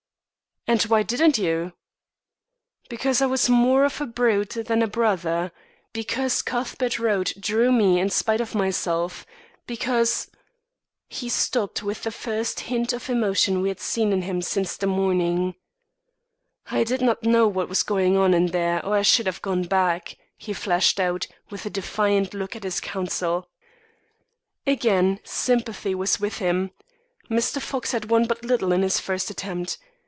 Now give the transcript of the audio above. "And why didn't you?" "Because I was more of a brute than a brother because Cuthbert Road drew me in spite of myself because " He stopped with the first hint of emotion we had seen in him since the morning. "I did not know what was going on there or I should have gone back," he flashed out, with a defiant look at his counsel. Again sympathy was with him. Mr. Fox had won but little in this first attempt.